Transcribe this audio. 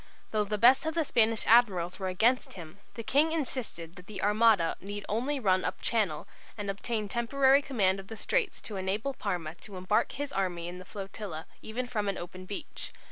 Though the best of the Spanish admirals were against him, the King insisted that the Armada need only run up Channel and obtain temporary command of the straits to enable Parma to embark his army in the flotilla even from an open beach.